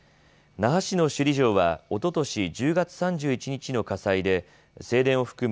那覇市の首里城はおととし１０月３１日の火災で正殿を含む